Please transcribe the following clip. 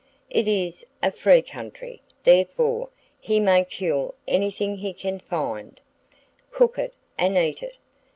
It is "a free country;" therefore, he may kill anything he can find, cook it and eat it.